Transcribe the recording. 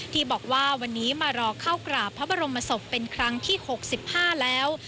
ที่บอกว่าวันนี้มารอเข้ากราบพระบรมศพเป็นครั้งที่๖๕แล้ว